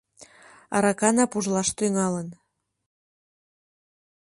Аракана пужлаш тӱҥалын.